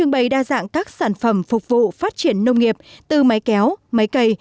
trưng bày đa dạng các sản phẩm phục vụ phát triển nông nghiệp từ máy kéo máy cây